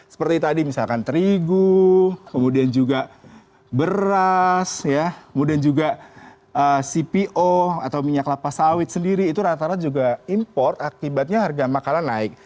seperti tadi misalkan terigu kemudian juga beras kemudian juga cpo atau minyak lapas sawit sendiri itu rata rata juga import akibatnya harga makanan naik